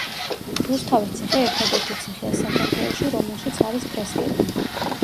რუსთავის ციხე ერთადერთი ციხეა საქართველოში რომელშიც არის ფრესკები.